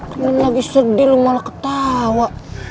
kalian lagi sedih lo malah ketawa